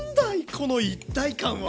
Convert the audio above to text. この一体感は。